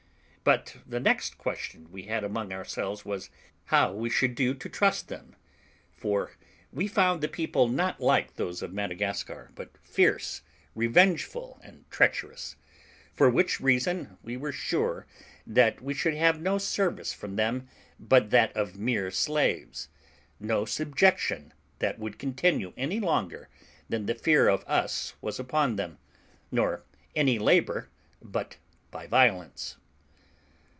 But the next question we had among ourselves, was, how we should do to trust them, for we found the people not like those of Madagascar, but fierce, revengeful, and treacherous; for which reason we were sure that we should have no service from them but that of mere slaves; no subjection that would continue any longer than the fear of us was upon them, nor any labour but by violence.